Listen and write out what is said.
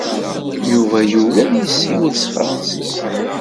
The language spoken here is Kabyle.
Yuba yugi ad yessiwel s tefṛensist.